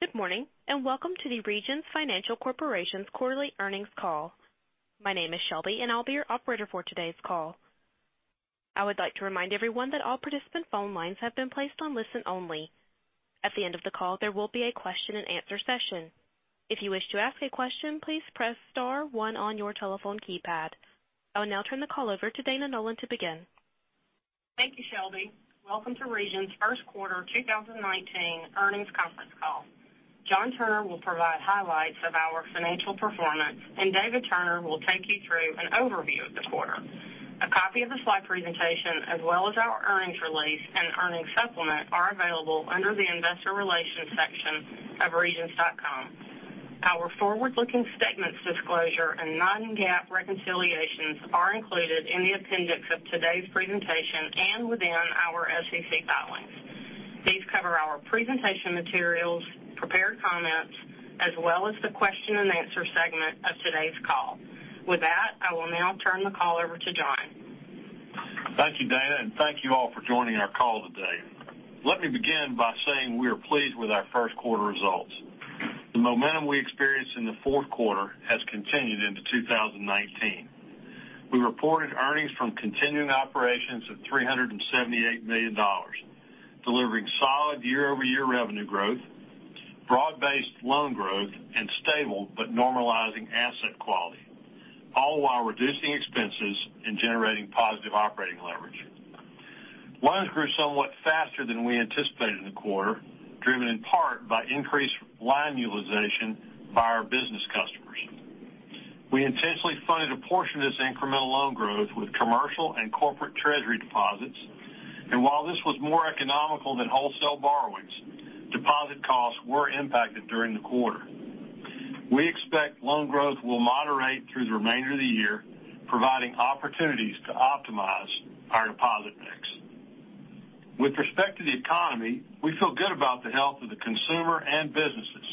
Good morning, welcome to the Regions Financial Corporation's quarterly earnings call. My name is Shelby, and I will be your operator for today's call. I would like to remind everyone that all participant phone lines have been placed on listen only. At the end of the call, there will be a question and answer session. If you wish to ask a question, please press star one on your telephone keypad. I will now turn the call over to Dana Nolan to begin. Thank you, Shelby. Welcome to Regions' first quarter 2019 earnings conference call. John Turner will provide highlights of our financial performance, and David Turner will take you through an overview of the quarter. A copy of the slide presentation, as well as our earnings release and earnings supplement, are available under the investor relations section of regions.com. Our forward-looking statements disclosure and non-GAAP reconciliations are included in the appendix of today's presentation and within our SEC filings. These cover our presentation materials, prepared comments, as well as the question and answer segment of today's call. With that, I will now turn the call over to John. Thank you, Dana, thank you all for joining our call today. Let me begin by saying we are pleased with our first quarter results. The momentum we experienced in the fourth quarter has continued into 2019. We reported earnings from continuing operations of $378 million, delivering solid year-over-year revenue growth, broad-based loan growth, and stable but normalizing asset quality, all while reducing expenses and generating positive operating leverage. Loans grew somewhat faster than we anticipated in the quarter, driven in part by increased line utilization by our business customers. We intentionally funded a portion of this incremental loan growth with commercial and corporate treasury deposits, and while this was more economical than wholesale borrowings, deposit costs were impacted during the quarter. We expect loan growth will moderate through the remainder of the year, providing opportunities to optimize our deposit mix. With respect to the economy, we feel good about the health of the consumer and businesses.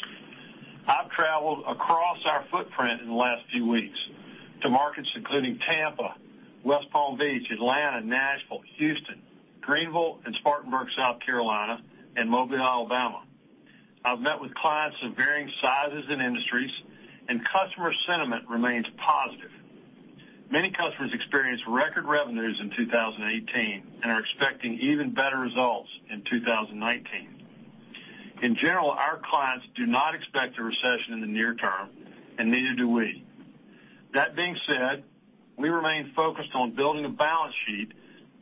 I have traveled across our footprint in the last few weeks to markets including Tampa, West Palm Beach, Atlanta, Nashville, Houston, Greenville, and Spartanburg, South Carolina, and Mobile, Alabama. I have met with clients of varying sizes and industries, and customer sentiment remains positive. Many customers experienced record revenues in 2018 and are expecting even better results in 2019. In general, our clients do not expect a recession in the near term, and neither do we. That being said, we remain focused on building a balance sheet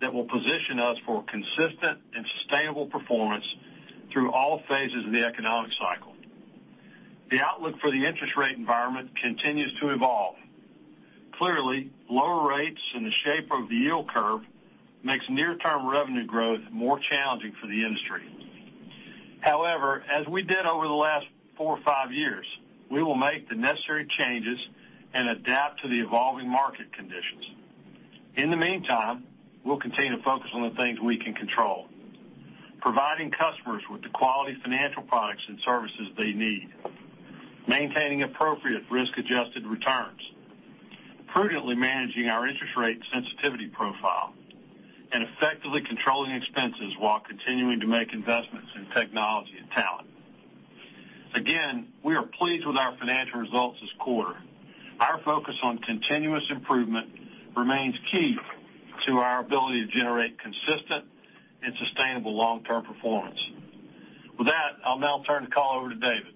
that will position us for consistent and sustainable performance through all phases of the economic cycle. The outlook for the interest rate environment continues to evolve. Clearly, lower rates and the shape of the yield curve makes near-term revenue growth more challenging for the industry. As we did over the last four or five years, we will make the necessary changes and adapt to the evolving market conditions. In the meantime, we'll continue to focus on the things we can control, providing customers with the quality financial products and services they need, maintaining appropriate risk-adjusted returns, prudently managing our interest rate sensitivity profile, and effectively controlling expenses while continuing to make investments in technology and talent. We are pleased with our financial results this quarter. Our focus on continuous improvement remains key to our ability to generate consistent and sustainable long-term performance. With that, I'll now turn the call over to David.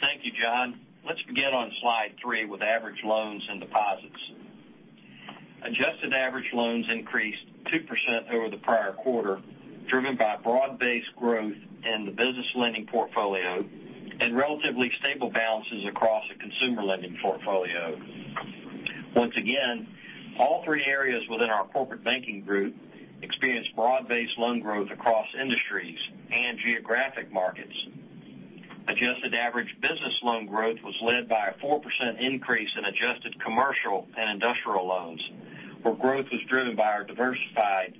Thank you, John. Let's begin on slide three with average loans and deposits. Adjusted average loans increased 2% over the prior quarter, driven by broad-based growth in the business lending portfolio and relatively stable balances across the consumer lending portfolio. Once again, all three areas within our corporate banking group experienced broad-based loan growth across industries and geographic markets. Adjusted average business loan growth was led by a 4% increase in adjusted commercial and industrial loans, where growth was driven by our diversified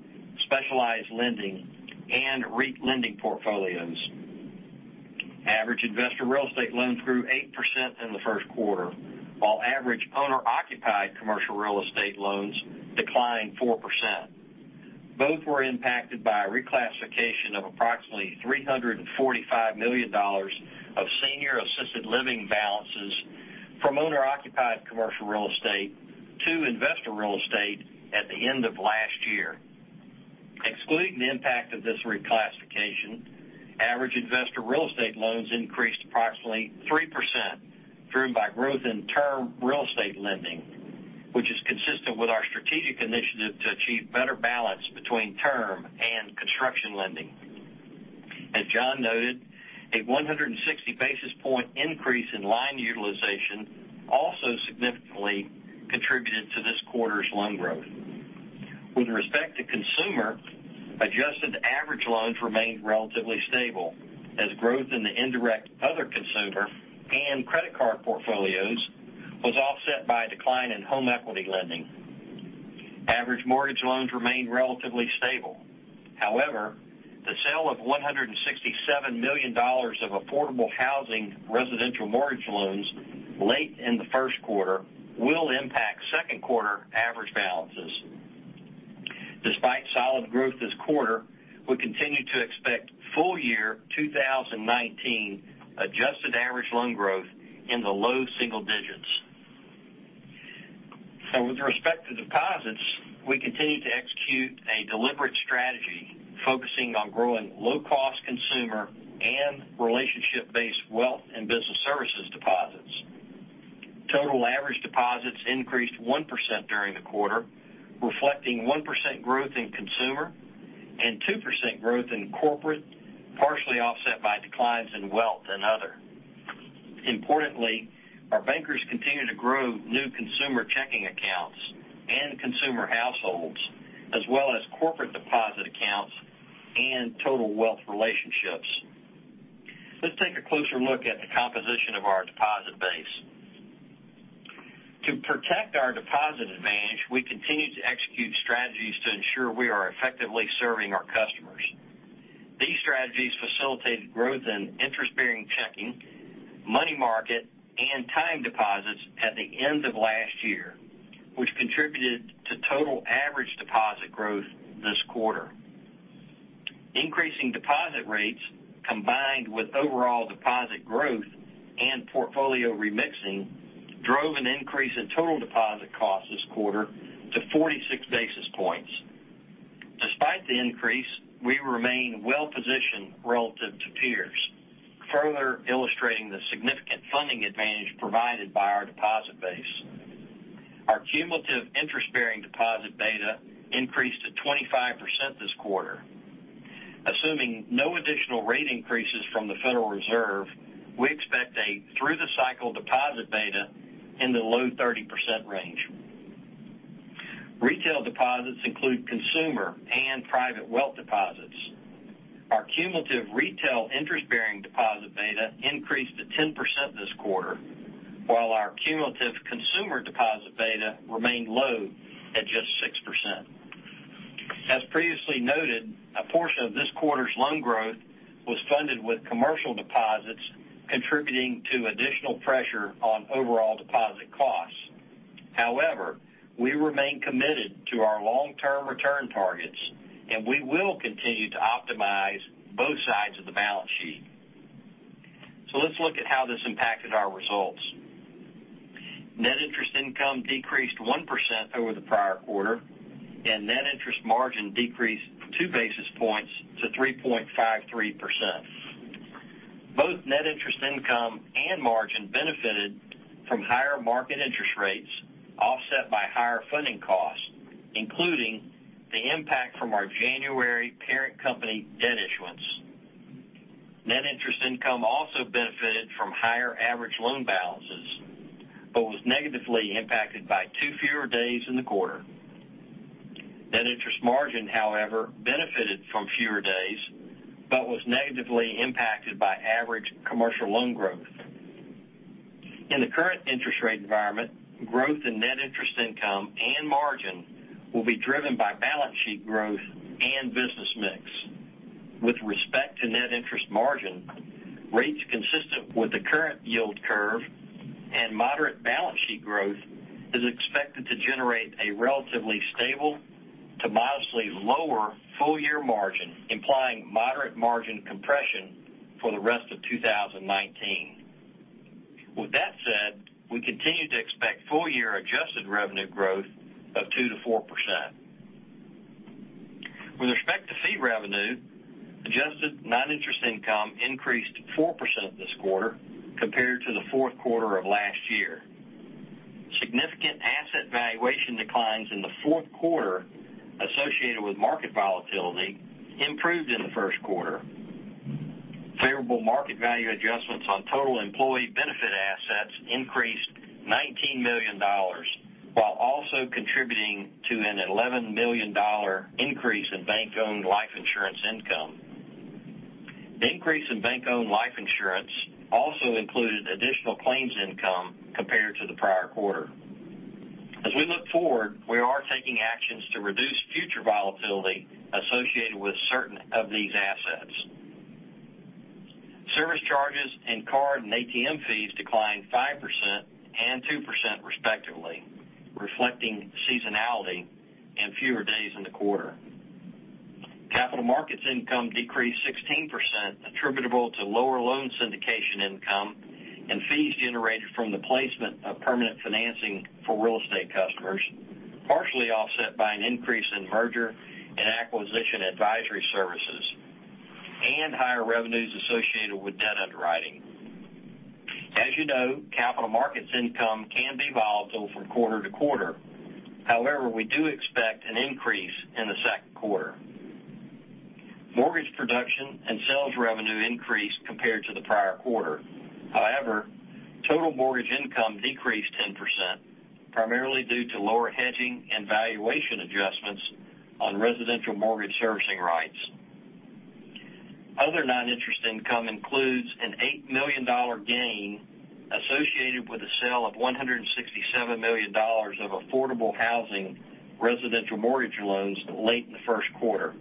specialized lending and REIT lending portfolios. Average investor real estate loans grew 8% in the first quarter, while average owner-occupied commercial real estate loans declined 4%. Both were impacted by a reclassification of approximately $345 million of senior assisted living balances from owner-occupied commercial real estate to investor real estate at the end of last year. Excluding the impact of this reclassification, average investor real estate loans increased approximately 3%, driven by growth in term real estate lending, which is consistent with our strategic initiative to achieve better balance between term and construction lending. As John noted, a 160 basis point increase in line utilization also significantly contributed to this quarter's loan growth. With respect to consumer, adjusted average loans remained relatively stable as growth in the indirect other consumer and credit card portfolios was offset by a decline in home equity lending. Average mortgage loans remained relatively stable. However, the sale of $167 million of affordable housing residential mortgage loans late in the first quarter will impact second quarter average balances growth this quarter, we continue to expect full year 2019 adjusted average loan growth in the low single digits. With respect to deposits, we continue to execute a deliberate strategy focusing on growing low-cost consumer and relationship-based wealth and business services deposits. Total average deposits increased 1% during the quarter, reflecting 1% growth in consumer and 2% growth in corporate, partially offset by declines in wealth and other. Importantly, our bankers continue to grow new consumer checking accounts and consumer households, as well as corporate deposit accounts and total wealth relationships. Let's take a closer look at the composition of our deposit base. To protect our deposit advantage, we continue to execute strategies to ensure we are effectively serving our customers. These strategies facilitated growth in interest-bearing checking, money market, and time deposits at the end of last year, which contributed to total average deposit growth this quarter. Increasing deposit rates, combined with overall deposit growth and portfolio remixing, drove an increase in total deposit costs this quarter to 46 basis points. Despite the increase, we remain well-positioned relative to peers, further illustrating the significant funding advantage provided by our deposit base. Our cumulative interest-bearing deposit beta increased to 25% this quarter. Assuming no additional rate increases from the Federal Reserve, we expect a through-the-cycle deposit beta in the low 30% range. Retail deposits include consumer and private wealth deposits. Our cumulative retail interest-bearing deposit beta increased to 10% this quarter, while our cumulative consumer deposit beta remained low at just 6%. As previously noted, a portion of this quarter's loan growth was funded with commercial deposits contributing to additional pressure on overall deposit costs. We remain committed to our long-term return targets, and we will continue to optimize both sides of the balance sheet. Let's look at how this impacted our results. Net interest income decreased 1% over the prior quarter, and net interest margin decreased two basis points to 3.53%. Both net interest income and margin benefited from higher market interest rates offset by higher funding costs, including the impact from our January parent company debt issuance. Net interest income also benefited from higher average loan balances but was negatively impacted by two fewer days in the quarter. Net interest margin, however, benefited from fewer days but was negatively impacted by average commercial loan growth. In the current interest rate environment, growth in net interest income and margin will be driven by balance sheet growth and business mix. With respect to net interest margin, rates consistent with the current yield curve and moderate balance sheet growth is expected to generate a relatively stable to modestly lower full-year margin, implying moderate margin compression for the rest of 2019. With that said, we continue to expect full-year adjusted revenue growth of 2%-4%. With respect to fee revenue, adjusted non-interest income increased 4% this quarter compared to the fourth quarter of last year. Significant asset valuation declines in the fourth quarter associated with market volatility improved in the first quarter. Favorable market value adjustments on total employee benefit assets increased $19 million, while also contributing to an $11 million increase in bank-owned life insurance income. The increase in bank-owned life insurance also included additional claims income compared to the prior quarter. As we look forward, we are taking actions to reduce future volatility associated with certain of these assets. Service charges and card and ATM fees declined 5% and 2% respectively, reflecting seasonality and fewer days in the quarter. Capital markets income decreased 16%, attributable to lower loan syndication income and fees generated from the placement of permanent financing for real estate customers, partially offset by an increase in merger and acquisition advisory services and higher revenues associated with debt underwriting. As you know, capital markets income can be volatile from quarter to quarter. We do expect an increase in the second quarter. Mortgage production and sales revenue increased compared to the prior quarter. Total mortgage income decreased 10%, primarily due to lower hedging and valuation adjustments on residential mortgage servicing rights. Other non-interest income includes an $8 million gain associated with the sale of $167 million of affordable housing residential mortgage loans late in the first quarter.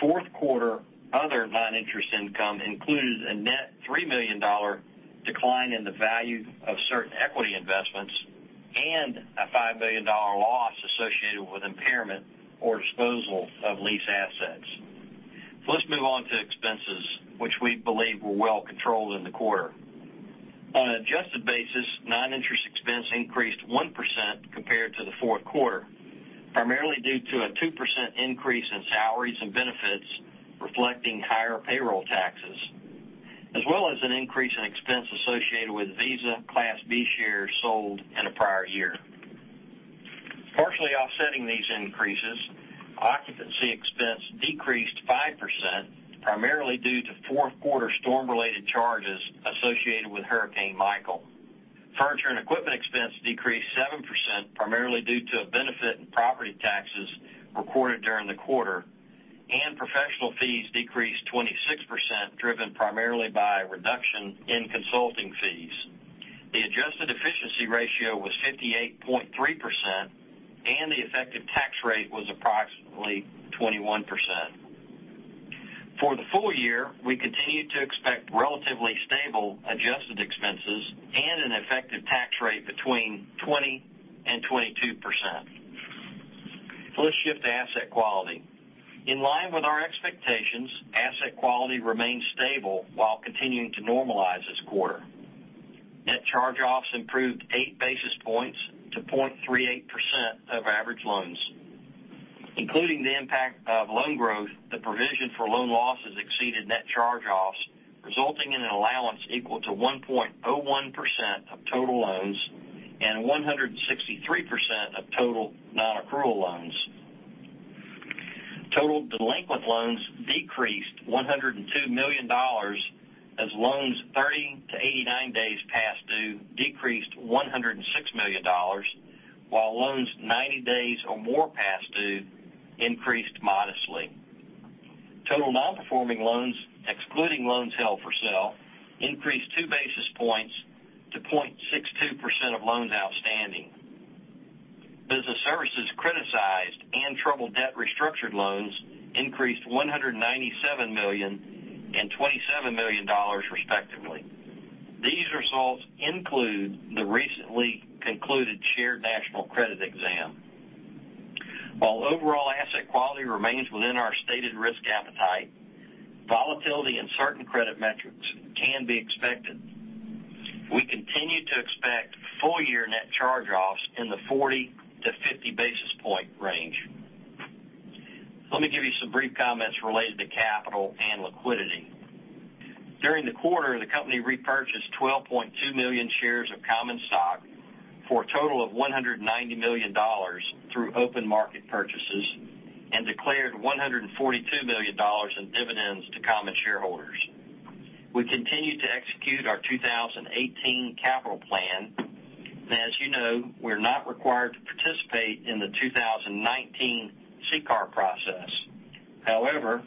Fourth quarter other non-interest income included a net $3 million decline in the value of certain equity investments and a $5 million loss associated with impairment or disposal of lease assets. Let's move on to expenses, which we believe were well controlled in the quarter. On an adjusted basis, non-interest expense increased 1% compared to the fourth quarter, primarily due to a 2% increase in salaries and benefits reflecting higher payroll taxes, as well as an increase in expense associated with Visa Class B shares sold in a prior year. Partially offsetting these increases, occupancy expense decreased 5%, primarily due to fourth quarter storm-related charges associated with Hurricane Michael. Furniture and equipment expense decreased 7%, primarily due to a benefit in property taxes recorded during the quarter, and professional fees decreased 26%, driven primarily by a reduction in consulting fees. The adjusted efficiency ratio was 58.3%, and the effective tax rate was approximately 21%. For the full year, we continue to expect relatively stable adjusted expenses and an effective tax rate between 20%-22%. Let's shift to asset quality. In line with our expectations, asset quality remained stable while continuing to normalize this quarter. Net charge-offs improved eight basis points to 0.38% of average loans. Including the impact of loan growth, the provision for loan losses exceeded net charge-offs, resulting in an allowance equal to 1.01% of total loans and 163% of total non-accrual loans. Total delinquent loans decreased $102 million as loans 30-89 days past due decreased $106 million, while loans 90 days or more past due increased modestly. Total non-performing loans, excluding loans held for sale, increased two basis points to 0.62% of loans outstanding. Business services criticized and troubled debt restructured loans increased $197 million and $27 million respectively. These results include the recently concluded Shared National Credit exam. While overall asset quality remains within our stated risk appetite, volatility in certain credit metrics can be expected. We continue to expect full-year net charge-offs in the 40-50 basis point range. Let me give you some brief comments related to capital and liquidity. During the quarter, the company repurchased 12.2 million shares of common stock for a total of $190 million through open market purchases and declared $142 million in dividends to common shareholders. We continue to execute our 2018 capital plan. As you know, we're not required to participate in the 2019 CCAR process. However,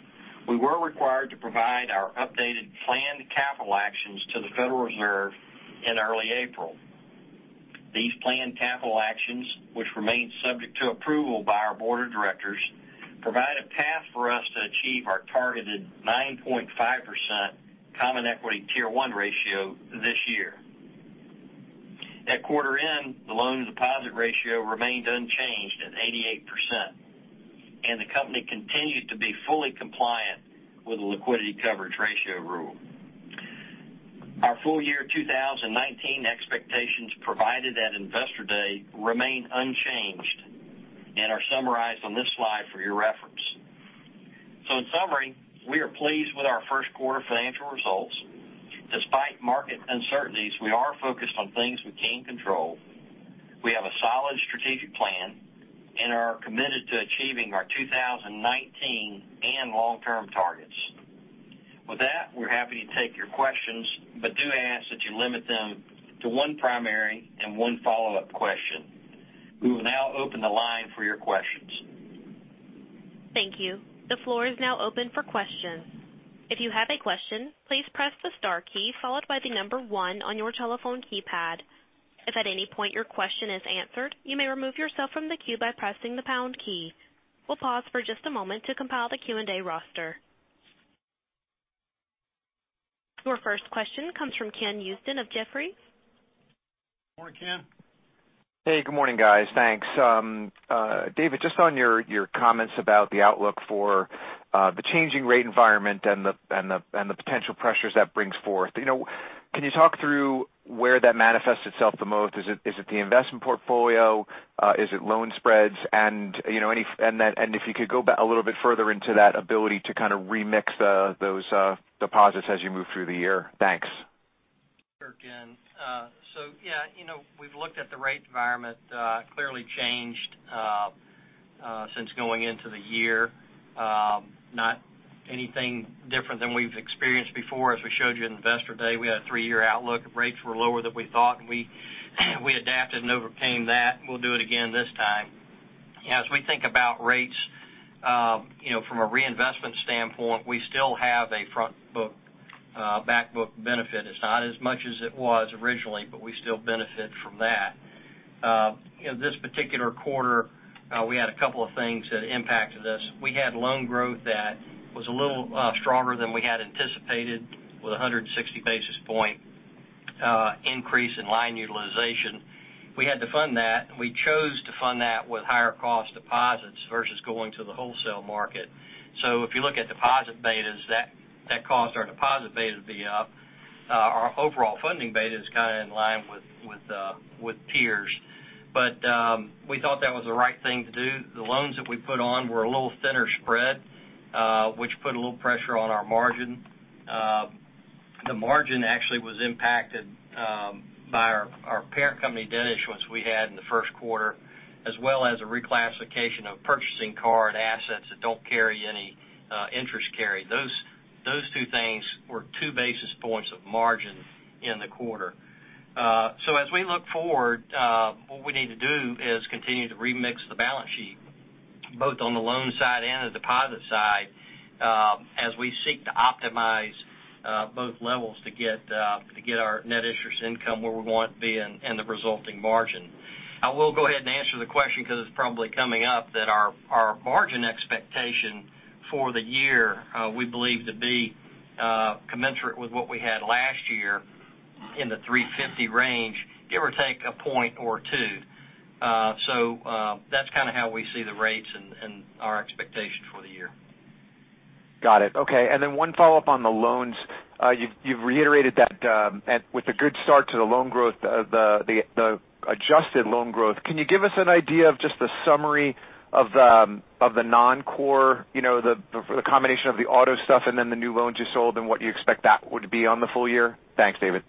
we were required to provide our updated planned capital actions to the Federal Reserve in early April. These planned capital actions, which remain subject to approval by our board of directors, provide a path for us to achieve our targeted 9.5% Common Equity Tier 1 ratio this year. At quarter end, the loan-to-deposit ratio remained unchanged at 88%, and the company continued to be fully compliant with the Liquidity Coverage Ratio rule. Our full year 2019 expectations provided at Investor Day remain unchanged and are summarized on this slide for your reference. In summary, we are pleased with our first quarter financial results. Despite market uncertainties, we are focused on things we can control. We have a solid strategic plan and are committed to achieving our 2019 and long-term targets. With that, we're happy to take your questions, but do ask that you limit them to one primary and one follow-up question. We will now open the line for your questions. Thank you. The floor is now open for questions. If you have a question, please press the star key followed by the number one on your telephone keypad. If at any point your question is answered, you may remove yourself from the queue by pressing the pound key. We'll pause for just a moment to compile the Q&A roster. Your first question comes from Ken Usdin of Jefferies. Morning, Ken. Hey, good morning, guys. Thanks. David, just on your comments about the outlook for the changing rate environment and the potential pressures that brings forth. Can you talk through where that manifests itself the most? Is it the investment portfolio? Is it loan spreads? If you could go a little bit further into that ability to kind of remix those deposits as you move through the year. Thanks. Sure, Ken. Yeah, we've looked at the rate environment, clearly changed since going into the year. Not anything different than we've experienced before. As we showed you at Investor Day, we had a three-year outlook. Rates were lower than we thought, and we adapted and overcame that. We'll do it again this time. As we think about rates from a reinvestment standpoint, we still have a front book/back book benefit. It's not as much as it was originally, but we still benefit from that. In this particular quarter, we had a couple of things that impacted us. We had loan growth that was a little stronger than we had anticipated with 160 basis point increase in line utilization. We had to fund that. We chose to fund that with higher cost deposits versus going to the wholesale market. If you look at deposit betas, that caused our deposit beta to be up. Our overall funding beta is kind of in line with peers. We thought that was the right thing to do. The loans that we put on were a little thinner spread, which put a little pressure on our margin. The margin actually was impacted by our parent company debt issuance we had in the first quarter, as well as a reclassification of purchasing card assets that don't carry any interest carry. Those two things were two basis points of margin in the quarter. As we look forward, what we need to do is continue to remix the balance sheet, both on the loan side and the deposit side, as we seek to optimize both levels to get our net interest income where we want it to be and the resulting margin. I will go ahead and answer the question because it's probably coming up that our margin expectation for the year we believe to be commensurate with what we had last year in the 350 range, give or take a point or two. That's kind of how we see the rates and our expectation for the year. Got it. Okay, one follow-up on the loans. You've reiterated that with the good start to the loan growth, the adjusted loan growth. Can you give us an idea of just the summary of the non-core, the combination of the auto stuff and the new loans you sold and what you expect that would be on the full year? Thanks, David.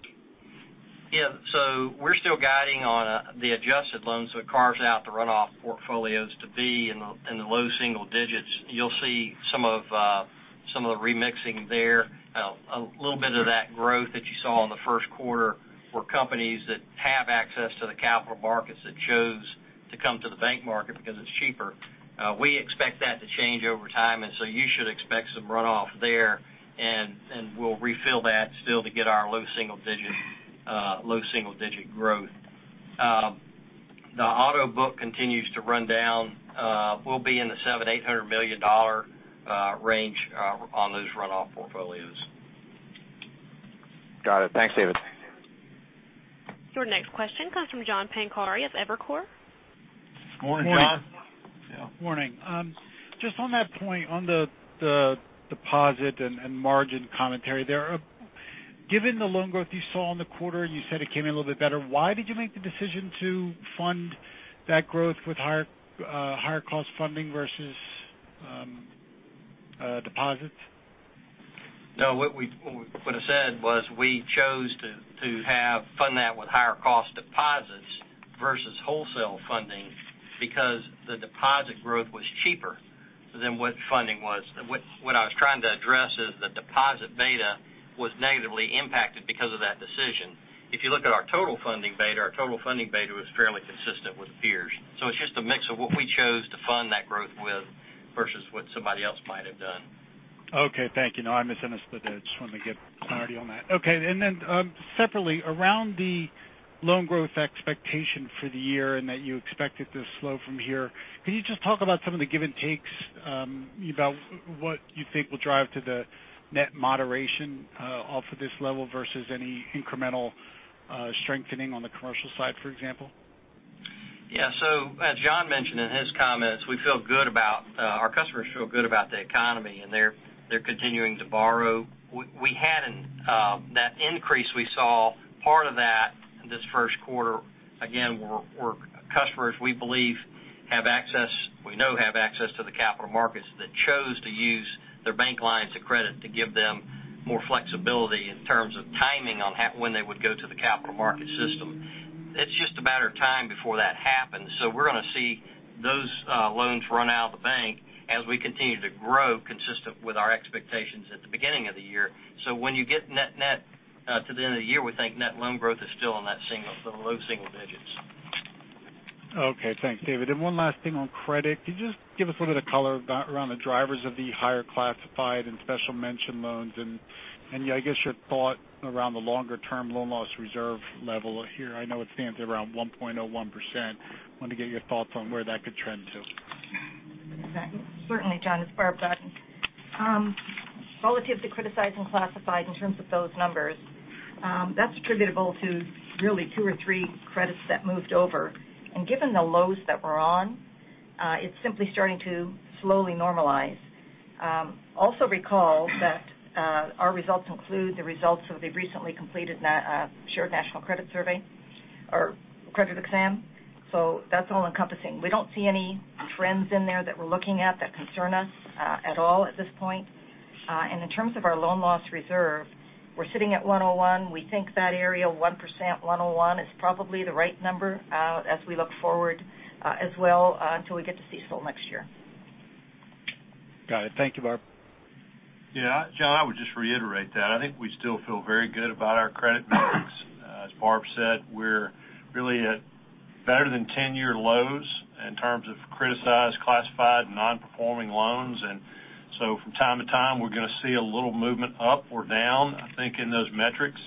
We're still guiding on the adjusted loans, it carves out the runoff portfolios to be in the low single-digits. You'll see some of the remixing there. A little bit of that growth that you saw in the first quarter were companies that have access to the capital markets that chose to come to the bank market because it's cheaper. We expect that to change over time, you should expect some runoff there, and we'll refill that still to get our low single-digit growth. The auto book continues to run down. We'll be in the $700 million-$800 million range on those runoff portfolios. Got it. Thanks, David. Your next question comes from John Pancari of Evercore. Morning, John. Morning. Yeah. Morning. Just on that point, on the deposit and margin commentary there, given the loan growth you saw in the quarter, you said it came in a little bit better, why did you make the decision to fund that growth with higher cost funding versus deposits? No, what we would have said was we chose to fund that with higher cost deposits versus wholesale funding because the deposit growth was cheaper than what funding was. What I was trying to address is the deposit beta was negatively impacted because of that decision. If you look at our total funding beta, our total funding beta was fairly consistent with peers. It's just a mix of what we chose to fund that growth with versus what somebody else might have done. Okay. Thank you. No, I misunderstood. I just wanted to get clarity on that. Okay. Separately, around the loan growth expectation for the year and that you expect it to slow from here, can you just talk about some of the give and takes about what you think will drive to the net moderation off of this level versus any incremental strengthening on the commercial side, for example? Yeah. As John mentioned in his comments, our customers feel good about the economy, and they're continuing to borrow. That increase we saw part of that this first quarter, again, were customers we know have access to the capital markets that chose to use their bank lines of credit to give them more flexibility in terms of timing on when they would go to the capital market system. It's just a matter of time before that happens. We're going to see those loans run out of the bank as we continue to grow consistent with our expectations at the beginning of the year. When you get net to the end of the year, we think net loan growth is still in the low single digits. Okay. Thanks, David. One last thing on credit. Can you just give us a little bit of color around the drivers of the higher classified and special mention loans and, I guess your thought around the longer-term loan loss reserve level here. I know it stands around 1.01%. Wanted to get your thoughts on where that could trend to. Certainly, John, it's Barb Godin. Relative to criticized and classified in terms of those numbers, that's attributable to really two or three credits that moved over. Given the lows that we're on, it's simply starting to slowly normalize. Also recall that our results include the results of the recently completed Shared National Credit survey or credit exam. That's all-encompassing. We don't see any trends in there that we're looking at that concern us at all at this point. In terms of our loan loss reserve, we're sitting at 101. We think that area, 1%, 101 is probably the right number as we look forward as well until we get to CECL next year. Got it. Thank you, Barb. Yeah, John, I would just reiterate that. I think we still feel very good about our credit- As Shelby said, we're really at better than 10-year lows in terms of criticized, classified, non-performing loans. From time to time, we're going to see a little movement up or down, I think, in those metrics.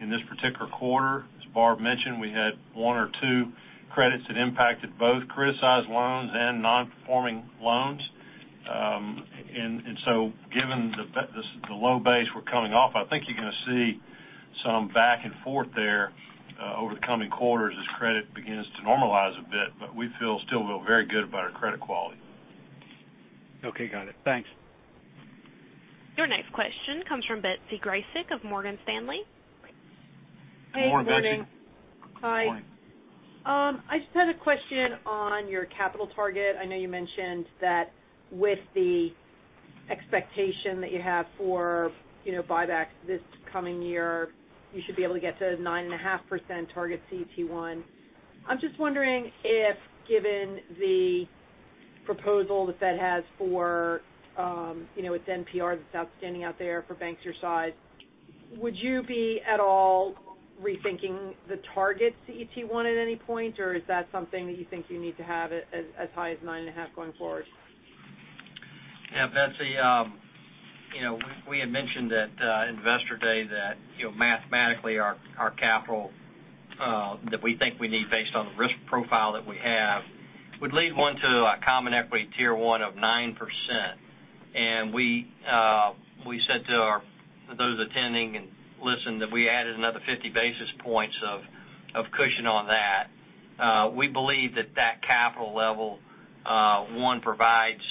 In this particular quarter, as Shelby mentioned, we had one or two credits that impacted both criticized loans and non-performing loans. Given the low base we're coming off, I think you're going to see some back and forth there over the coming quarters as credit begins to normalize a bit, but we still feel very good about our credit quality. Okay. Got it. Thanks. Your next question comes from Betsy Graseck of Morgan Stanley. Good morning, Betsy. Hey, good morning. Good morning. Hi. I just had a question on your capital target. I know you mentioned that with the expectation that you have for buybacks this coming year, you should be able to get to 9.5% target CET1. I'm just wondering if, given the proposal the Fed has for its NPR that's outstanding out there for banks your size, would you be at all rethinking the target CET1 at any point, or is that something that you think you need to have as high as 9.5% going forward? Yeah, Betsy, we had mentioned at Investor Day that mathematically our capital that we think we need based on the risk profile that we have would lead one to a Common Equity Tier 1 of 9%. We said to those attending and listened that we added another 50 basis points of cushion on that. We believe that that capital level, one, provides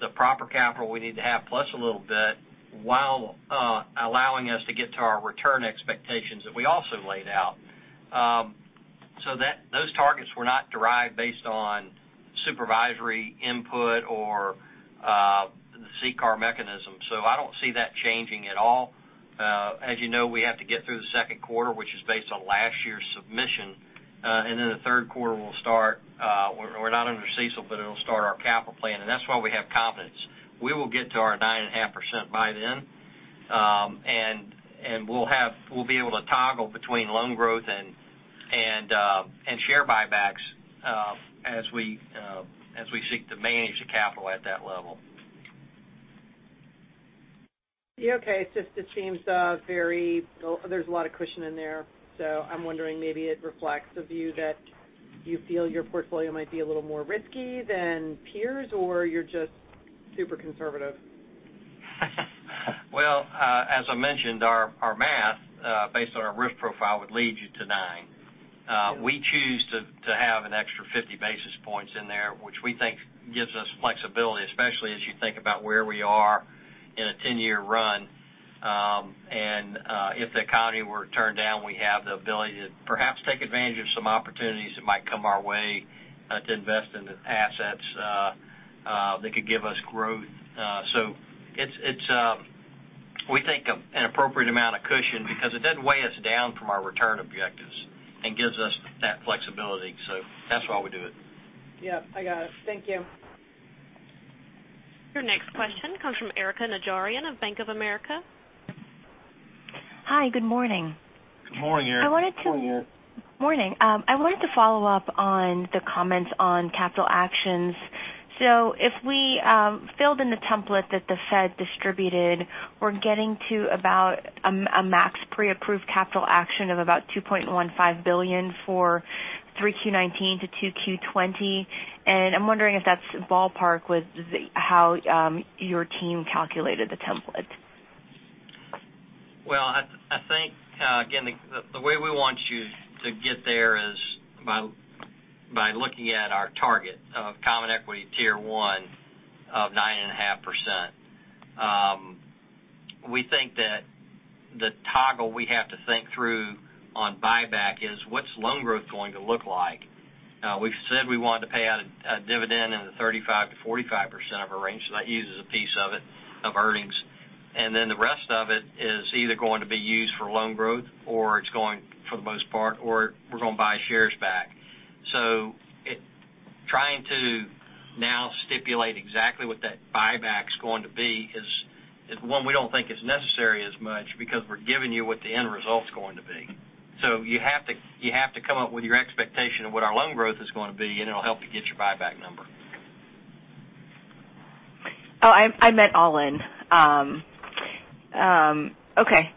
the proper capital we need to have plus a little bit, while allowing us to get to our return expectations that we also laid out. Those targets were not derived based on supervisory input or the CCAR mechanism. I don't see that changing at all. As you know, we have to get through the second quarter, which is based on last year's submission. The third quarter will start, we're not under CECL, but it'll start our capital plan, and that's why we have confidence. We will get to our 9.5% by then. We'll be able to toggle between loan growth and share buybacks as we seek to manage the capital at that level. Yeah, okay. It just seems there's a lot of cushion in there, so I'm wondering maybe it reflects a view that you feel your portfolio might be a little more risky than peers or you're just super conservative. Well, as I mentioned, our math, based on our risk profile, would lead you to 9%. We choose to have an extra 50 basis points in there, which we think gives us flexibility, especially as you think about where we are in a 10-year run. If the economy were to turn down, we have the ability to perhaps take advantage of some opportunities that might come our way to invest into assets that could give us growth. It's, we think, an appropriate amount of cushion because it doesn't weigh us down from our return objectives and gives us that flexibility. That's why we do it. Yep, I got it. Thank you. Your next question comes from Erika Najarian of Bank of America. Hi, good morning. Good morning, Erika. Good morning. Morning. I wanted to follow up on the comments on capital actions. If we filled in the template that the Fed distributed, we're getting to about a max pre-approved capital action of about $2.15 billion for 3Q 2019 to 2Q 2020. I'm wondering if that's ballpark with how your team calculated the template. Well, I think, again, the way we want you to get there is by looking at our target of Common Equity Tier 1 of 9.5%. We think that the toggle we have to think through on buyback is what's loan growth going to look like? We've said we wanted to pay out a dividend in the 35%-45% of our range, so that uses a piece of it, of earnings. Then the rest of it is either going to be used for loan growth or it's going, for the most part, or we're going to buy shares back. Trying to now stipulate exactly what that buyback's going to be is one we don't think is necessary as much because we're giving you what the end result's going to be. You have to come up with your expectation of what our loan growth is going to be, and it'll help to get your buyback number. Oh, I meant all in. Okay.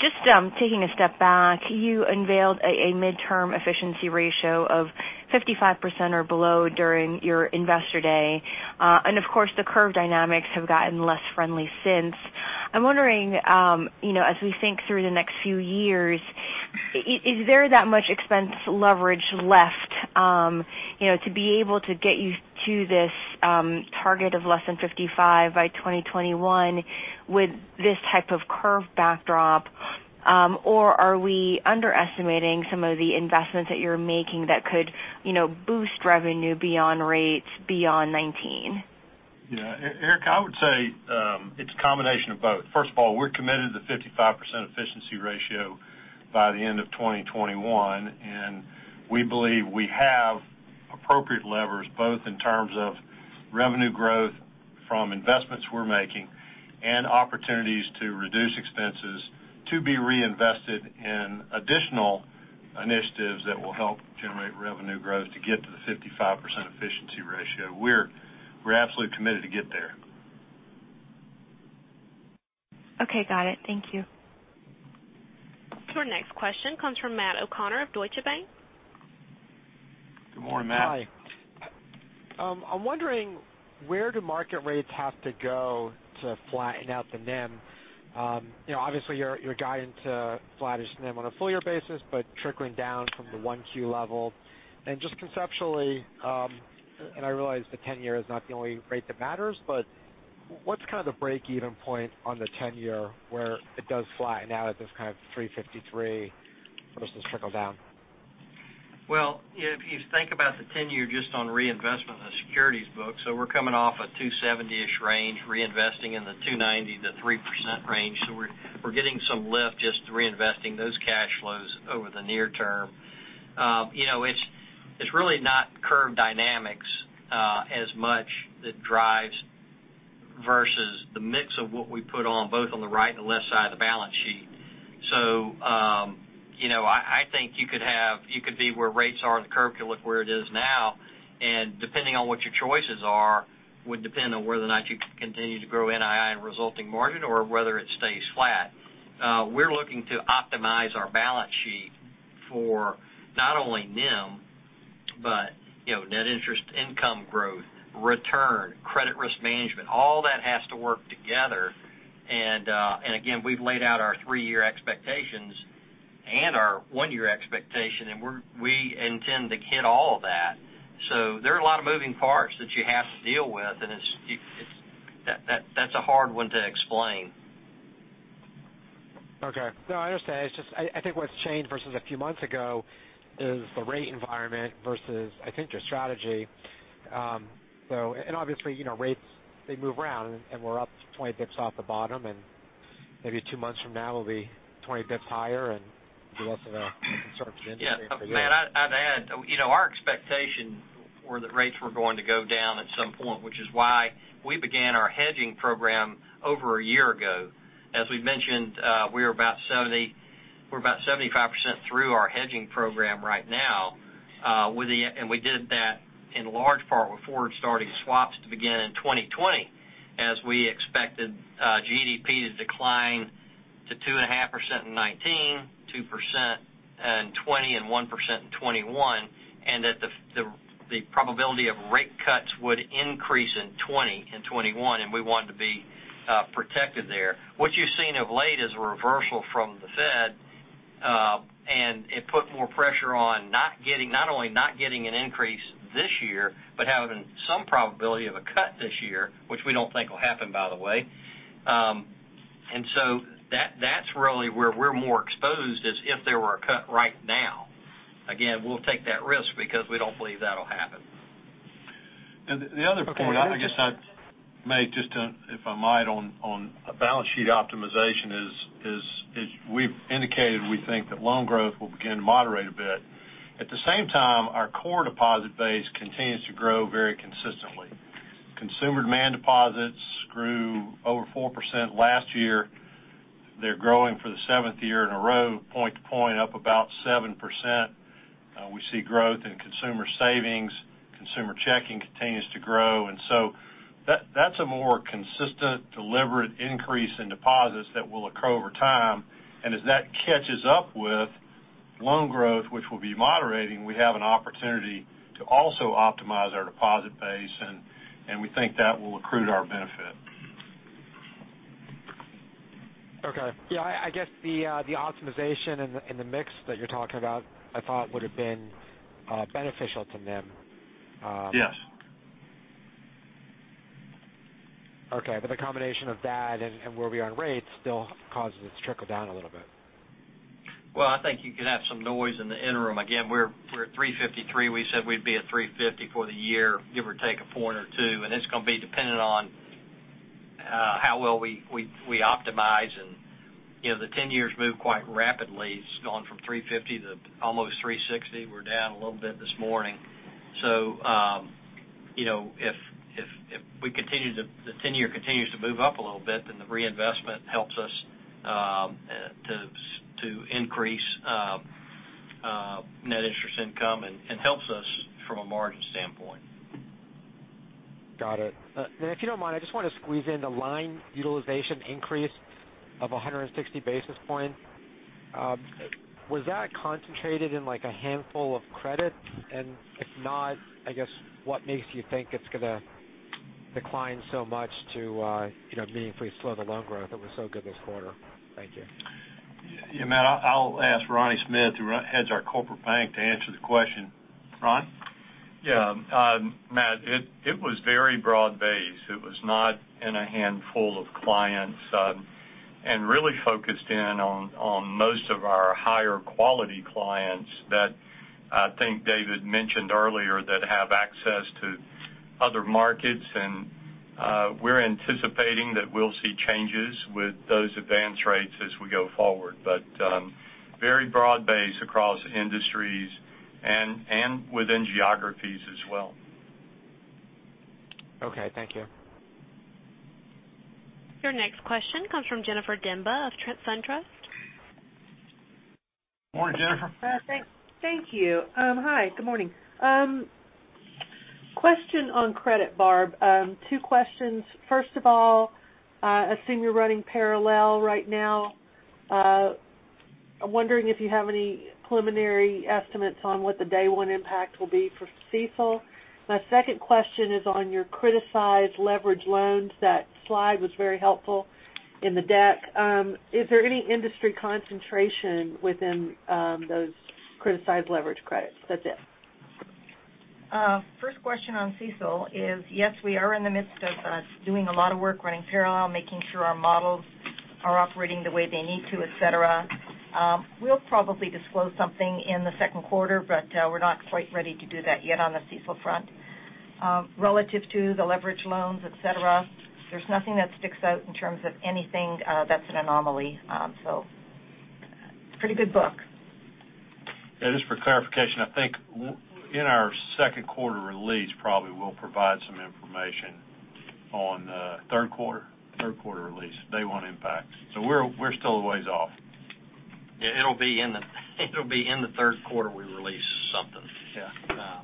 Just taking a step back, you unveiled a midterm efficiency ratio of 55% or below during your Investor Day. Of course, the curve dynamics have gotten less friendly since. I'm wondering as we think through the next few years, is there that much expense leverage left to be able to get you to this target of less than 55% by 2021 with this type of curve backdrop? Are we underestimating some of the investments that you're making that could boost revenue beyond rates beyond 2019? Yeah. Erika, I would say it's a combination of both. First of all, we're committed to the 55% efficiency ratio by the end of 2021, and we believe we have appropriate levers, both in terms of revenue growth from investments we're making and opportunities to reduce expenses to be reinvested in additional initiatives that will help generate revenue growth to get to the 55% efficiency ratio. We're absolutely committed to get there. Okay, got it. Thank you. Our next question comes from Matt O'Connor of Deutsche Bank. Good morning, Matt. Hi. I'm wondering where do market rates have to go to flatten out the NIM? Obviously, you're guiding to flattish NIM on a full year basis, but trickling down from the 1Q level. Just conceptually, and I realize the 10-year is not the only rate that matters, but what's kind of the break-even point on the 10-year where it does flatten out at this kind of 353 versus trickle down? If you think about the 10-year just on reinvestment in the securities book, we're coming off a 270-ish range, reinvesting in the 290 to 3% range. We're getting some lift just reinvesting those cash flows over the near term. It's really not curve dynamics as much that drives versus the mix of what we put on both on the right and the left side of the balance sheet. I think you could be where rates are, the curve could look where it is now, and depending on what your choices are, would depend on whether or not you continue to grow NII and resulting margin or whether it stays flat. We're looking to optimize our balance sheet for not only NIM, but net interest income growth, return, credit risk management, all that has to work together. Again, we've laid out our three-year expectations and our one-year expectation, and we intend to hit all of that. There are a lot of moving parts that you have to deal with, and that's a hard one to explain. Okay. No, I understand. It's just, I think what's changed versus a few months ago is the rate environment versus I think your strategy. Obviously, rates, they move around and we're up 20 basis points off the bottom and maybe two months from now we'll be 20 basis points higher and be less of a concern for the end of the year. Yeah. Matt, I'd add, our expectation were that rates were going to go down at some point, which is why we began our hedging program over a year ago. As we mentioned, we're about 75% through our hedging program right now. We did that in large part with forward starting swaps to begin in 2020, as we expected GDP to decline to 2.5% in 2019, 2% in 2020, and 1% in 2021. That the probability of rate cuts would increase in 2020 and 2021, and we wanted to be protected there. What you've seen of late is a reversal from the Fed, it put more pressure on not only not getting an increase this year, but having some probability of a cut this year, which we don't think will happen, by the way. That's really where we're more exposed is if there were a cut right now. Again, we'll take that risk because we don't believe that'll happen. The other point, I guess I'd make just to, if I might, on a balance sheet optimization is we've indicated we think that loan growth will begin to moderate a bit. At the same time, our core deposit base continues to grow very consistently. Consumer demand deposits grew over 4% last year. They're growing for the seventh year in a row, point to point up about 7%. We see growth in consumer savings. Consumer checking continues to grow. That's a more consistent, deliberate increase in deposits that will occur over time. As that catches up with loan growth, which will be moderating, we have an opportunity to also optimize our deposit base, we think that will accrue to our benefit. Okay. Yeah, I guess the optimization in the mix that you're talking about, I thought would have been beneficial to NIM. Yes. Okay, the combination of that and where we are on rates still causes it to trickle down a little bit. Well, I think you could have some noise in the interim. Again, we're at 353. We said we'd be at 350 for the year, give or take a point or two, and it's going to be dependent on how well we optimize and the 10-years move quite rapidly. It's gone from 350 to almost 360. We're down a little bit this morning. If the 10-year continues to move up a little bit, then the reinvestment helps us to increase net interest income and helps us from a margin standpoint. Got it. If you don't mind, I just want to squeeze in the line utilization increase of 160 basis points. Was that concentrated in like a handful of credit? If not, I guess what makes you think it's going to decline so much to meaningfully slow the loan growth that was so good this quarter? Thank you. Yeah, Matt, I'll ask Ronnie Smith, who heads our corporate bank to answer the question. Ron? Yeah. Matt, it was very broad-based. It was not in a handful of clients. Really focused in on most of our higher quality clients that I think David mentioned earlier that have access to Other markets, and we're anticipating that we'll see changes with those advance rates as we go forward. Very broad base across industries and within geographies as well. Okay. Thank you. Your next question comes from Jennifer Demba of SunTrust Robinson Humphrey. Morning, Jennifer. Thank you. Hi, good morning. Question on credit, Shelby. Two questions. First of all, I assume you're running parallel right now. I'm wondering if you have any preliminary estimates on what the day one impact will be for CECL. My second question is on your criticized leverage loans. That slide was very helpful in the deck. Is there any industry concentration within those criticized leverage credits? That's it. First question on CECL is, yes, we are in the midst of doing a lot of work, running parallel, making sure our models are operating the way they need to, et cetera. We'll probably disclose something in the second quarter, we're not quite ready to do that yet on the CECL front. Relative to the leverage loans, et cetera, there's nothing that sticks out in terms of anything that's an anomaly. It's a pretty good book. Yeah, just for clarification, I think in our second quarter release, probably, we'll provide some information on third quarter release day one impacts. We're still a ways off. Yeah, it'll be in the third quarter we release something. Yeah.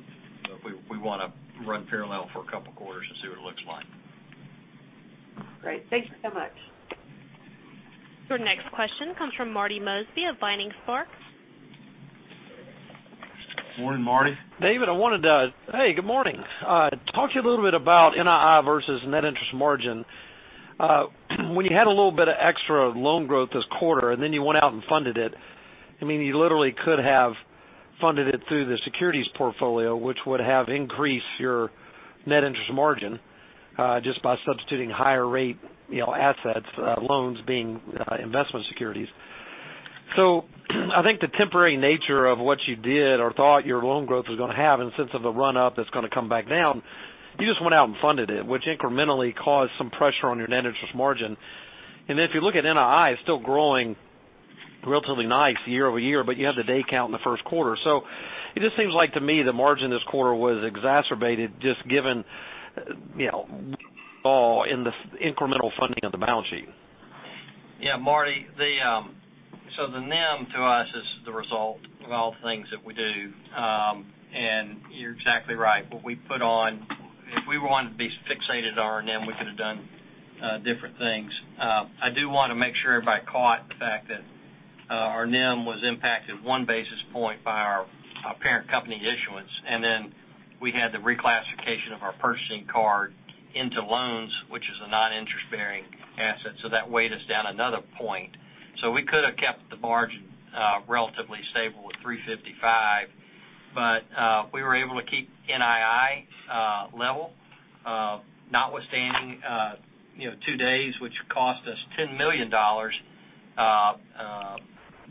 We want to run parallel for a couple of quarters and see what it looks like. Great. Thank you so much. Your next question comes from Marty Mosby of Vining Sparks. Morning, Marty. David, I wanted to talk to you a little bit about NII versus net interest margin. When you had a little bit of extra loan growth this quarter, and then you went out and funded it, you literally could have funded it through the securities portfolio, which would have increased your net interest margin, just by substituting higher rate assets, loans being investment securities. I think the temporary nature of what you did or thought your loan growth was going to have in the sense of a run-up that's going to come back down, you just went out and funded it, which incrementally caused some pressure on your net interest margin. If you look at NII, it's still growing relatively nice year-over-year, but you have the day count in the first quarter. It just seems like to me the margin this quarter was exacerbated just given in the incremental funding of the balance sheet. Yeah, Marty, the NIM to us is the result of all the things that we do. You're exactly right. What we put on, if we wanted to be fixated on our NIM, we could have done different things. I do want to make sure everybody caught the fact that our NIM was impacted one basis point by our parent company issuance, and then we had the reclassification of our purchasing card into loans, which is a non-interest-bearing asset. That weighed us down another point. We could have kept the margin relatively stable with 355, but we were able to keep NII level notwithstanding two days, which cost us $10 million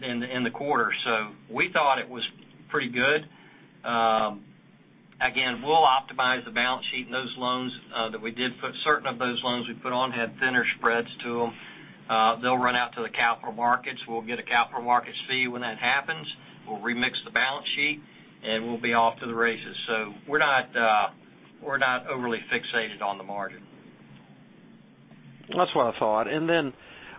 in the quarter. We thought it was pretty good. Again, we'll optimize the balance sheet, and certain of those loans we put on had thinner spreads to them. They'll run out to the capital markets. We'll get a capital markets fee when that happens. We'll remix the balance sheet, and we'll be off to the races. We're not overly fixated on the margin. That's what I thought.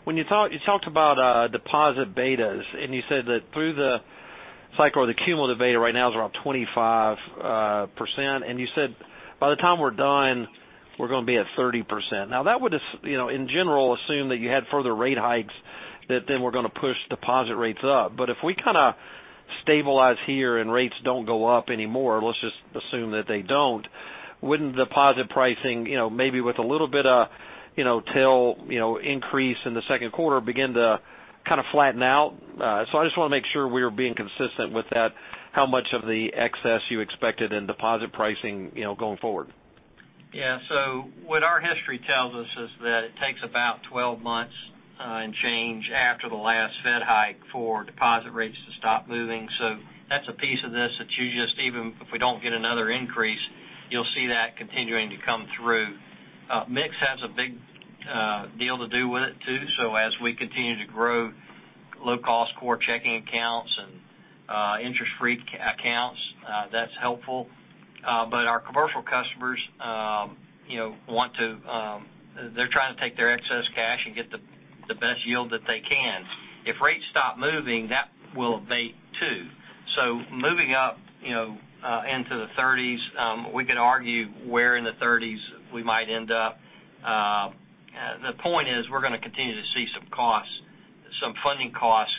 When you talked about deposit betas, you said that through the cycle, the cumulative beta right now is around 25%, and you said, "By the time we're done, we're going to be at 30%." That would, in general, assume that you had further rate hikes that then were going to push deposit rates up. If we kind of stabilize here and rates don't go up anymore, let's just assume that they don't, wouldn't deposit pricing maybe with a little bit of till increase in the second quarter begin to kind of flatten out? I just want to make sure we are being consistent with that, how much of the excess you expected in deposit pricing going forward. What our history tells us is that it takes about 12 months and change after the last Fed hike for deposit rates to stop moving. That's a piece of this that you just even if we don't get another increase, you'll see that continuing to come through. Mix has a big deal to do with it, too. As we continue to grow low-cost core checking accounts and interest-free accounts, that's helpful. Our commercial customers, they're trying to take their excess cash and get the best yield that they can. If rates stop moving, that will abate, too. Moving up into the 30s, we could argue where in the 30s we might end up. The point is we're going to continue to see some funding cost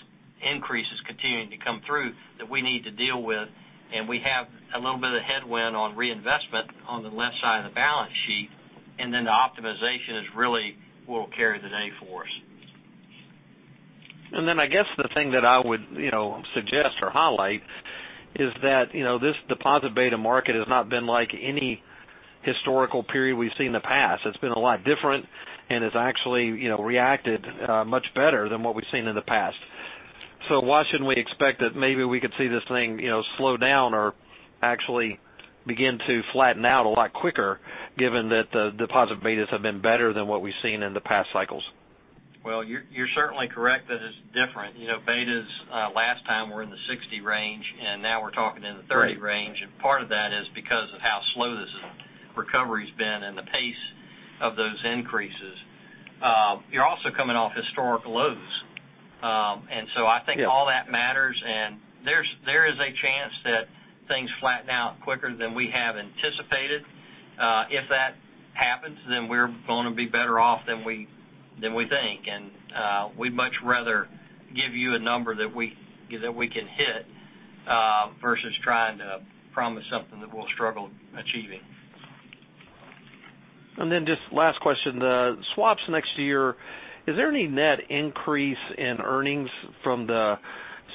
increases continuing to come through that we need to deal with. We have a little bit of headwind on reinvestment on the left side of the balance sheet. The optimization is really what will carry the day for us. I guess the thing that I would suggest or highlight is that this deposit beta market has not been like any historical period we've seen in the past. It's been a lot different. It's actually reacted much better than what we've seen in the past. Why shouldn't we expect that maybe we could see this thing slow down or actually begin to flatten out a lot quicker given that the deposit betas have been better than what we've seen in the past cycles? You're certainly correct that it's different. Betas last time were in the 60 range, now we're talking in the 30 range. Right. Part of that is because of how slow this recovery's been the pace of those increases. You're also coming off historic lows. I think all that matters, there is a chance that things flatten out quicker than we have anticipated. If that happens, we're going to be better off than we think, we'd much rather give you a number that we can hit versus trying to promise something that we'll struggle achieving. Just last question, the swaps next year, is there any net increase in earnings from the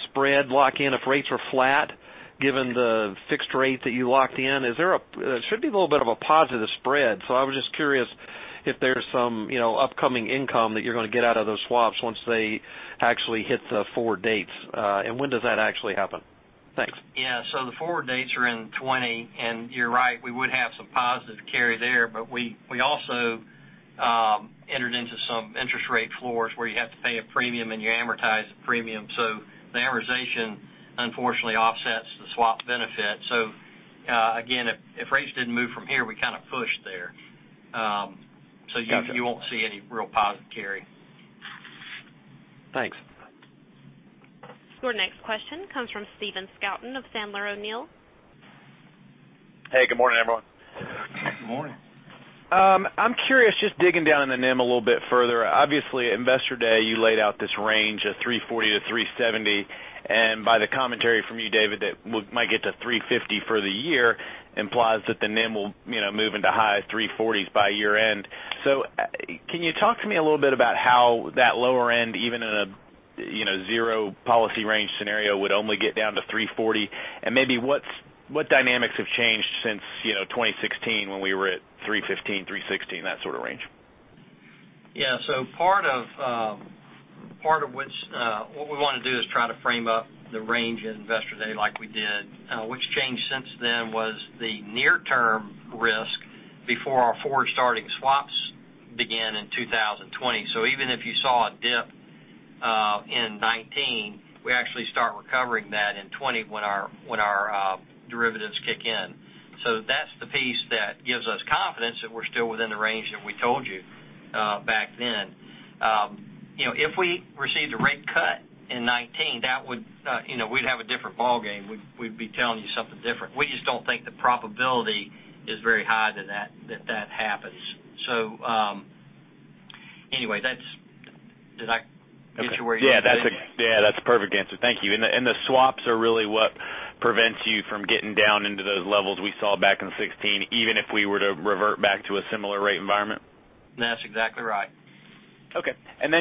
spread lock-in if rates are flat given the fixed rate that you locked in? There should be a little bit of a positive spread, I was just curious if there's some upcoming income that you're going to get out of those swaps once they actually hit the forward dates. When does that actually happen? Thanks. The forward dates are in 2020, and you're right, we would have some positive carry there, but we also entered into some interest rate floors where you have to pay a premium, and you amortize the premium. The amortization unfortunately offsets the swap benefit. Again, if rates didn't move from here, we kind of pushed there. Got you. You won't see any real positive carry. Thanks. Your next question comes from Stephen Scouten of Sandler O'Neill. Hey, good morning, everyone. Good morning. I'm curious, just digging down in the NIM a little bit further. Obviously, Investor Day, you laid out this range of 340 to 370, and by the commentary from you, David, that might get to 350 for the year implies that the NIM will move into high 340s by year-end. Can you talk to me a little bit about how that lower end, even in a zero policy range scenario, would only get down to 340, and maybe what dynamics have changed since 2016 when we were at 315, 316, that sort of range? Yeah. What we want to do is try to frame up the range at Investor Day like we did. What's changed since then was the near term risk before our forward starting swaps began in 2020. Even if you saw a dip in 2019, we actually start recovering that in 2020 when our derivatives kick in. That's the piece that gives us confidence that we're still within the range that we told you back then. If we received a rate cut in 2019, we'd have a different ballgame. We'd be telling you something different. We just don't think the probability is very high that that happens. Anyway, did I get to where you were getting at? Yeah, that's a perfect answer. Thank you. The swaps are really what prevents you from getting down into those levels we saw back in 2016, even if we were to revert back to a similar rate environment? That's exactly right. Okay.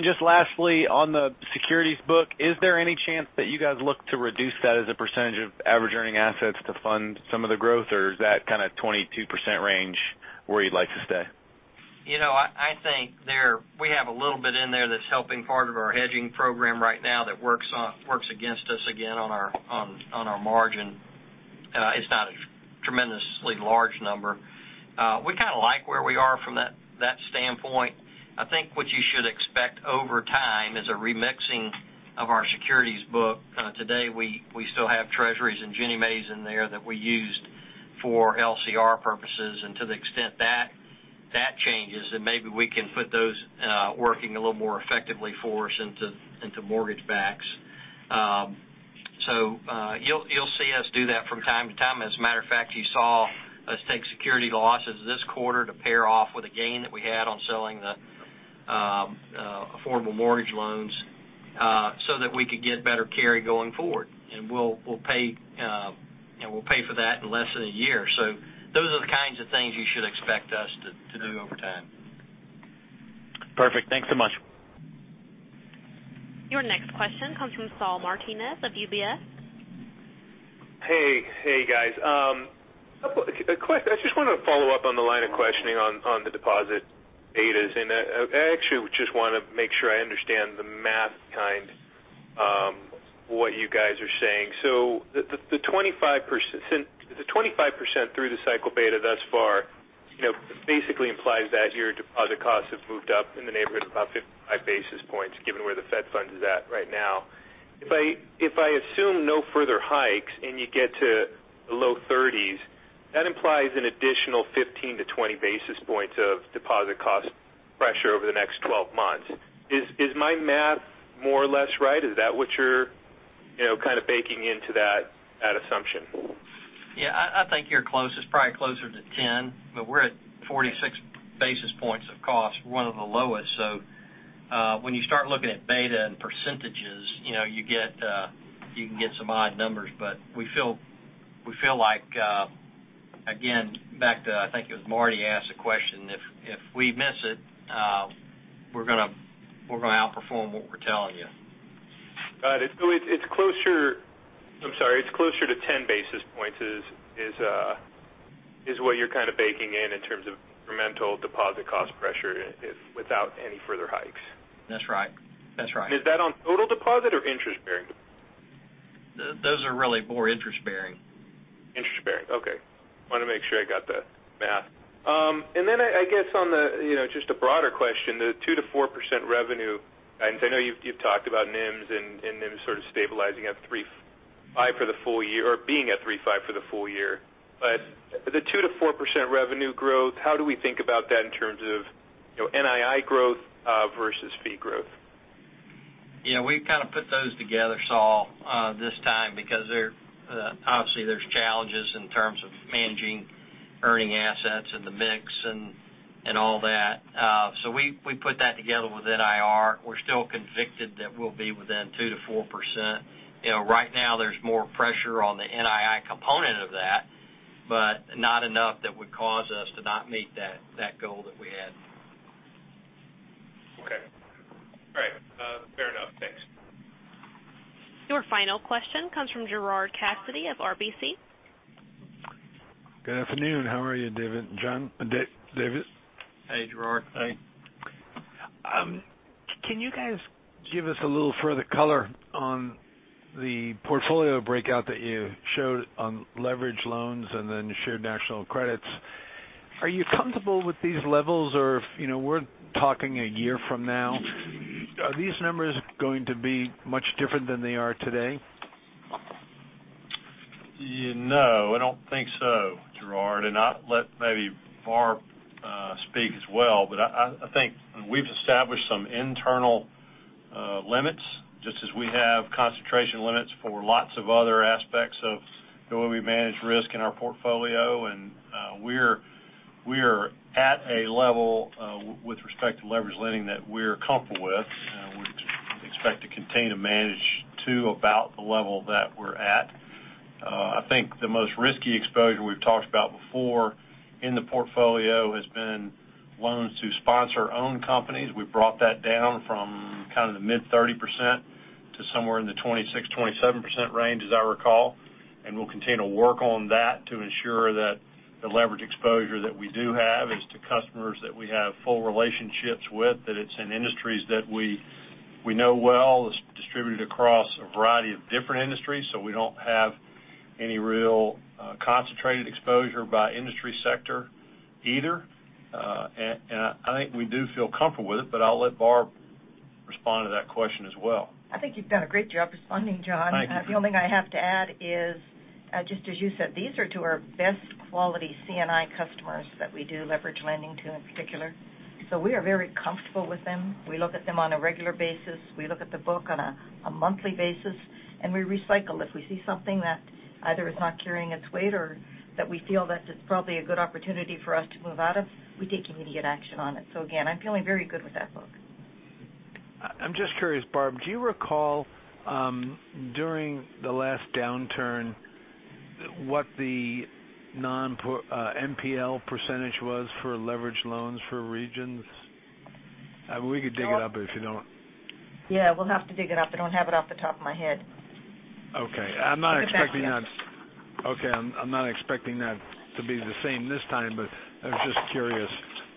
Just lastly, on the securities book, is there any chance that you guys look to reduce that as a percentage of average earning assets to fund some of the growth, or is that kind of 22% range where you'd like to stay? I think we have a little bit in there that's helping part of our hedging program right now that works against us again on our margin. It's not a tremendously large number. We kind of like where we are from that standpoint. I think what you should expect over time is a remixing of our securities book. Today, we still have Treasuries and Ginnie Mae in there that we used for LCR purposes, to the extent that that changes, maybe we can put those working a little more effectively for us into mortgage backs. You'll see us do that from time to time. As a matter of fact, you saw us take security losses this quarter to pair off with a gain that we had on selling the affordable mortgage loans so that we could get better carry going forward. We'll pay for that in less than a year. Those are the kinds of things you should expect us to do over time. Perfect. Thanks so much. Your next question comes from Saul Martinez of UBS. Hey, guys. I just want to follow up on the line of questioning on the deposit betas, and I actually just want to make sure I understand the math behind what you guys are saying. The 25% through the cycle beta thus far basically implies that your deposit costs have moved up in the neighborhood of about 55 basis points, given where the Fed fund is at right now. If I assume no further hikes and you get to the low 30s, that implies an additional 15 to 20 basis points of deposit cost pressure over the next 12 months. Is my math more or less right? Is that what you're kind of baking into that assumption? I think you're close. It's probably closer to 10, but we're at 46 basis points of cost, one of the lowest. When you start looking at beta and percentages, you can get some odd numbers. We feel like, again, back to, I think it was Marty asked the question, if we miss it, we're going to outperform what we're telling you. Got it. 10 basis points is what you're kind of baking in terms of incremental deposit cost pressure without any further hikes. That's right. Is that on total deposit or interest-bearing? Those are really more interest bearing. Interest bearing. Okay. I want to make sure I got the math. I guess on the, just a broader question, the 2%-4% revenue, I know you've talked about NIMs and NIMs sort of stabilizing at 3.5% for the full year or being at 3.5% for the full year. The 2%-4% revenue growth, how do we think about that in terms of NII growth, versus fee growth? Yeah, we kind of put those together, Saul, this time because obviously there's challenges in terms of managing earning assets and the mix and all that. We put that together with NIR. We're still convicted that we'll be within 2%-4%. Right now, there's more pressure on the NII component of that, not enough that would cause us to not meet that goal that we had. Okay. All right. Fair enough. Thanks. Your final question comes from Gerard Cassidy of RBC. Good afternoon. How are you, John, David? Hey, Gerard. Hey. Can you guys give us a little further color on the portfolio breakout that you showed on leverage loans and then Shared National Credits? Are you comfortable with these levels? If we're talking a year from now, are these numbers going to be much different than they are today? No, I don't think so, Gerard. I'll let maybe Shelby speak as well. I think we've established some internal limits, just as we have concentration limits for lots of other aspects of the way we manage risk in our portfolio. We're at a level, with respect to leverage lending, that we're comfortable with. We expect to continue to manage to about the level that we're at. I think the most risky exposure we've talked about before in the portfolio has been loans to sponsor-owned companies. We've brought that down from kind of the mid-30% to somewhere in the 26%, 27% range, as I recall. We'll continue to work on that to ensure that the leverage exposure that we do have is to customers that we have full relationships with, that it's in industries that we know well, it's distributed across a variety of different industries, so we don't have any real concentrated exposure by industry sector either. I think we do feel comfortable with it, I'll let Shelby respond to that question as well. I think you've done a great job responding, John. Thank you. The only thing I have to add is, just as you said, these are to our best quality C&I customers that we do leverage lending to in particular. We are very comfortable with them. We look at them on a regular basis. We look at the book on a monthly basis, and we recycle. If we see something that either is not carrying its weight or that we feel that it's probably a good opportunity for us to move out of, we take immediate action on it. Again, I'm feeling very good with that book. I'm just curious, Shelby, do you recall, during the last downturn, what the NPL percentage was for leverage loans for Regions? We could dig it up if you don't. Yeah, we'll have to dig it up. I don't have it off the top of my head. Okay. I'm not expecting that to be the same this time, but I was just curious.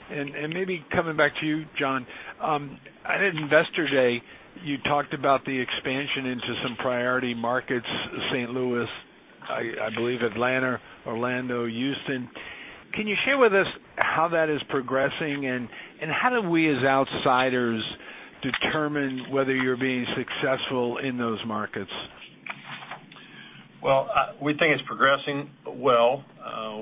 Maybe coming back to you, John, at Investor Day, you talked about the expansion into some priority markets, St. Louis, I believe Atlanta, Orlando, Houston. Can you share with us how that is progressing, and how do we as outsiders determine whether you're being successful in those markets? Well, we think it's progressing well.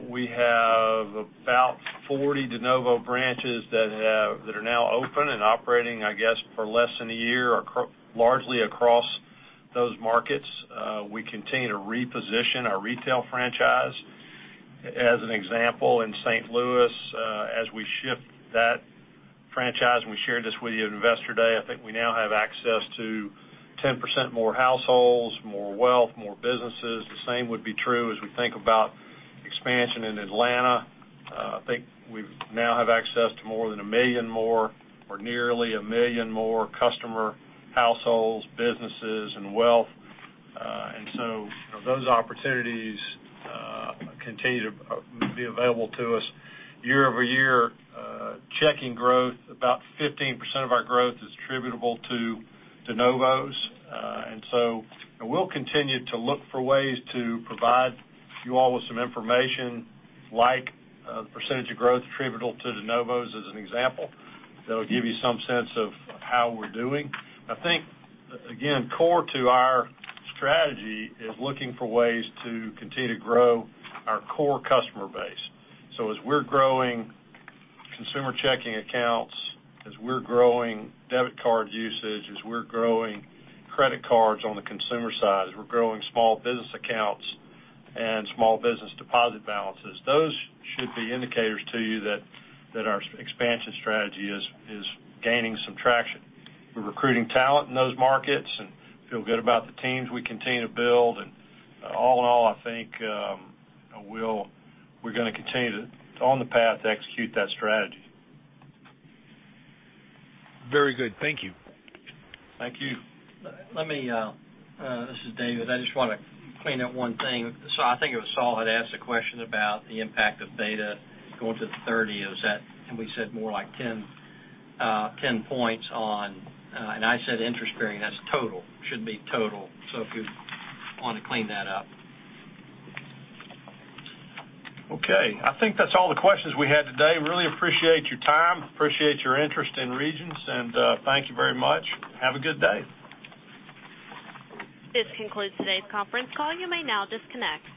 We have about 40 de novo branches that are now open and operating, I guess, for less than a year, largely across those markets. We continue to reposition our retail franchise. As an example, in St. Louis, as we shift that franchise, we shared this with you at Investor Day, I think we now have access to 10% more households, more wealth, more businesses. The same would be true as we think about expansion in Atlanta. I think we now have access to more than 1 million more, or nearly 1 million more customer households, businesses, and wealth. Those opportunities continue to be available to us year-over-year. Checking growth, about 15% of our growth is attributable to de novos. We'll continue to look for ways to provide you all with some information like the % of growth attributable to de novos as an example. That'll give you some sense of how we're doing. I think, again, core to our strategy is looking for ways to continue to grow our core customer base. As we're growing consumer checking accounts, as we're growing debit card usage, as we're growing credit cards on the consumer side, as we're growing small business accounts and small business deposit balances, those should be indicators to you that our expansion strategy is gaining some traction. We're recruiting talent in those markets and feel good about the teams we continue to build. All in all, I think we're going to continue on the path to execute that strategy. Very good. Thank you. Thank you. This is David. I just want to clean up one thing. I think it was Saul had asked a question about the impact of beta going to the 30, we said more like 10 points on, and I said interest bearing. That's total. Should be total. If you want to clean that up. Okay. I think that's all the questions we had today. Really appreciate your time. Appreciate your interest in Regions, thank you very much. Have a good day. This concludes today's conference call. You may now disconnect.